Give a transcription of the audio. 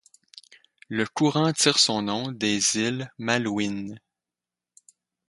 Le courant tire son nom des îles Malouines.